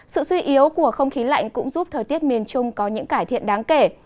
sự suy yếu của không khí lạnh cũng giúp thời tiết miền trung có những cải thiện đáng kể